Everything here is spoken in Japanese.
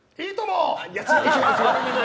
違う。